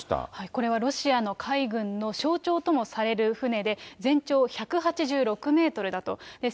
これはロシアの海軍の象徴ともされる船で、全長１８６メートルだと。